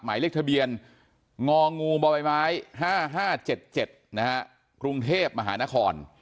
หมายเลขทะเบียนงง๕๕๗๗นะฮะกรุงเทพฯมหานคร